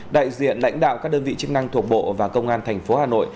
đại diện lãnh đạo các đơn vị chức năng thuộc bộ và công an tp hà nội